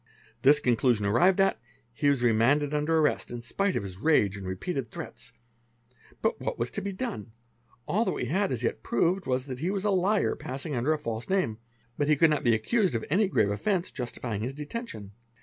This conclusion arrived at, he was remanded under rrest, in spite of his rage and repeated threats. But what was to be done? All that we had as yet proved was that he was a liar passing under a false name, but he could not be accused of any grave offence stifying his detention.